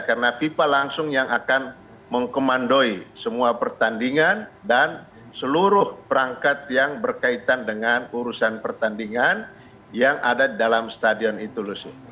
karena fifa langsung yang akan mengkemandoi semua pertandingan dan seluruh perangkat yang berkaitan dengan urusan pertandingan yang ada di dalam stadion itu lucy